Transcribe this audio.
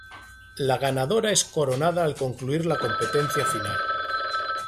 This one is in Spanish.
La ganadora es coronada al concluir la competencia final.